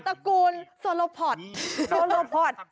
ตระกูลซวโลพอร์ต